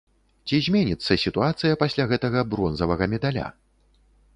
Ці зменіцца сітуацыя пасля гэтага бронзавага медаля?